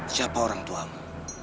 siapa orang tuamu